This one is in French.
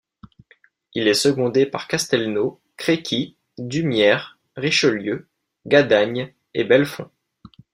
Il est secondé par Castelnau, Créqui, d'Humières, Richelieu, Gadagne et Bellefonds.